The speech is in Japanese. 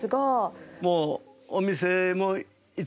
もう。